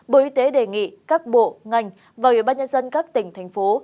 bộ y tế đề nghị các bộ ngành và người bác nhân dân các tỉnh thành phố